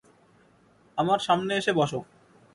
আমার সামনে এসে বসো।